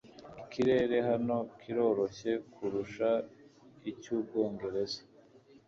Ikirere hano kiroroshye kurusha icy'Ubwongereza.